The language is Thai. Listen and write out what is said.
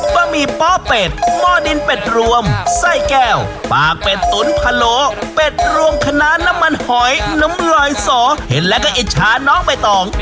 บมีป้อเป็ดหม้อดินเป็ดรวมไส้แก้วปากเป็ดตุ๋นพะโลกระโกะเป็ดลวงขนาดน้ำมันหอยนมลอยสอเห็นและก็อิจฉาน้องไปต่อง